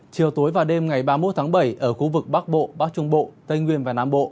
chiều tối và đêm ngày ba mươi một tháng bảy ở khu vực bắc bộ bắc trung bộ tây nguyên và nam bộ